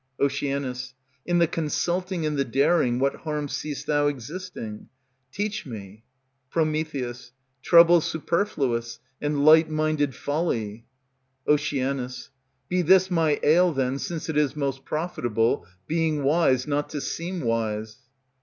Oc. In the consulting and the daring What harm seest thou existing? Teach me. Pr. Trouble superfluous, and light minded folly. Oc. Be this my ail then, since it is Most profitable, being wise, not to seem wise.